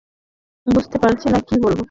বুঝতে পারছি না কী বলবো।